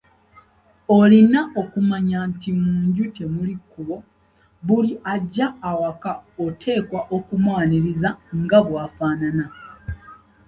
Olina okumanya nti mu nju temuli kkubo, buli ajja awaka oteekwa okumwaniriza nga bw'afaanana.